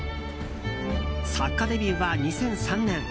作家デビューは２００３年。